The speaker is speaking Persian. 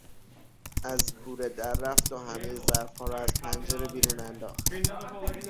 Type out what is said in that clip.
از کوره در رفت و همه ظرفها را از پنجره بیرون انداخت.